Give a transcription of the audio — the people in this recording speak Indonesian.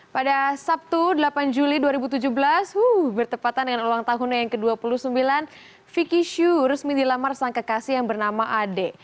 pada sabtu delapan juli dua ribu tujuh belas wuh bertepatan dengan ulang tahunnya yang ke dua puluh sembilan vicky shu resmi dilamar sang kekasih yang bernama ade